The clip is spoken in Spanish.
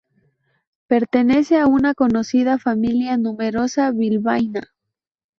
Pertenece a una conocida familia numerosa bilbaína.